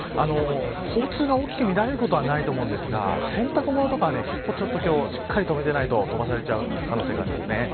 交通が大きく乱れることはないと思いますが、洗濯物は結構しっかりと見ていないと飛ばされちゃうかもしれないですね。